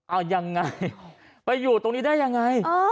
เอายังไงไปอยู่ตรงนี้ได้ยังไง